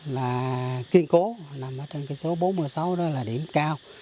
là kiên cố nằm ở trong số bốn mươi sáu đó là điểm cao